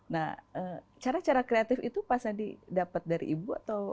nah cara cara kreatif itu pak sandi dapat dari ibu atau